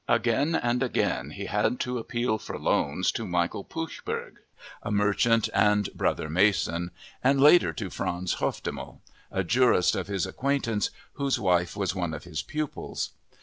Again and again he had to appeal for loans to Michael Puchberg, a merchant and brother Mason, and later to Franz Hofdemel, a jurist of his acquaintance whose wife was one of his pupils.